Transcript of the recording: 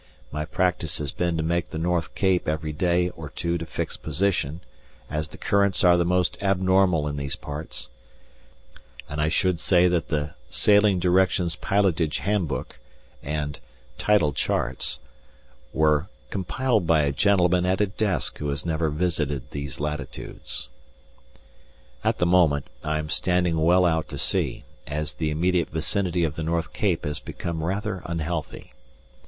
My practice has been to make the North Cape every day or two to fix position, as the currents are the most abnormal in these parts, and I should say that the "Sailing Directions Pilotage Handbook" and "Tidal Charts" were compiled by a gentleman at a desk who had never visited these latitudes. At the moment I am standing well out to sea, as the immediate vicinity of the North Cape has become rather unhealthy.